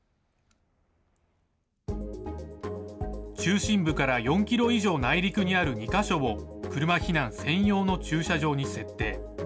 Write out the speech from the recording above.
中心部から４キロ以上内陸にある２か所を車避難専用の駐車場に設定。